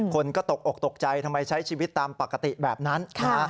คนก็ตกอกตกใจทำไมใช้ชีวิตตามปกติแบบนั้นนะฮะ